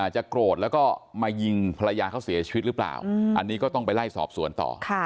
จะโกรธแล้วก็มายิงภรรยาเขาเสียชีวิตหรือเปล่าอันนี้ก็ต้องไปไล่สอบสวนต่อ